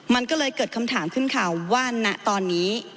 มันก็เลยเกิดคำถามขึ้นค่ะว่าณตอนนี้